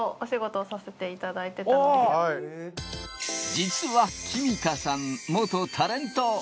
実は貴実花さん、元タレント。